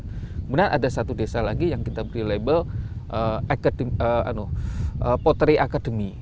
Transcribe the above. kemudian ada satu desa lagi yang kita beri label potri academy